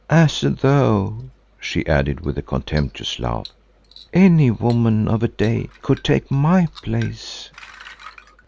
As though," she added with a contemptuous laugh, "any woman of a day could take my place."